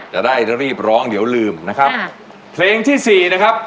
จะได้รีบร้องเดี๋ยวลืมนะครับค่ะเพลงที่สี่นะครับ